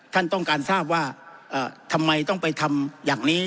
ท่านต้องการทราบว่าทำไมต้องไปทำอย่างนี้